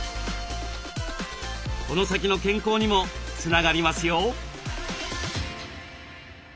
この先の健康にもつながりますよ。